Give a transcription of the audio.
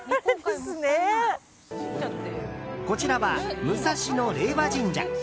こちらは武蔵野坐令和神社。